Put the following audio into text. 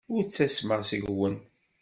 Ur ttasmeɣ seg-wen.